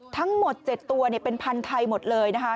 ทั้งหมด๗ตัวเป็นพันธุ์ไทยหมดเลยนะคะ